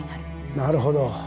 なるほど。